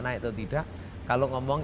naik atau tidak kalau ngomong